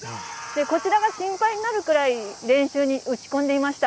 こちらが心配になるくらい練習に打ち込んでいました。